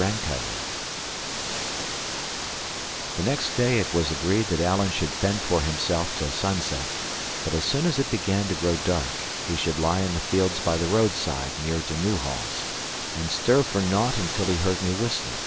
RANKEILLOR The next day it was agreed that Alan should fend for himself till sunset; but as soon as it began to grow dark, he should lie in the fields by the roadside near to Newhalls, and stir for naught until he heard me whistling.